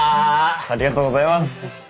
ありがとうございます。